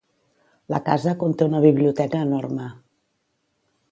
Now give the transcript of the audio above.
La casa conté una biblioteca enorme.